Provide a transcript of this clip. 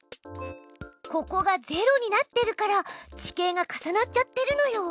ここが０になってるから地形が重なっちゃってるのよ。